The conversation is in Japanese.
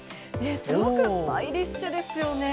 すごくスタイリッシュですよね。